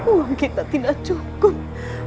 uang kita tidak cukup